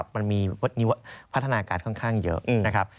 มันมีพัฒนาการค่อนข้างเยอะ